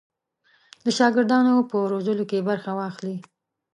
د شاګردانو په روزلو کې برخه واخلي.